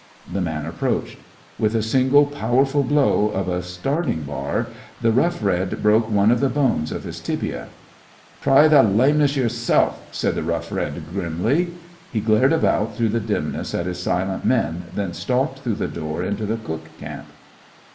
The man approached. With a single powerful blow of a starting bar the Rough Red broke one of the bones of his tibia. "Try th' lameness yerself," said the Rough Red, grimly. He glared about through the dimness at his silent men, then stalked through the door into the cook camp.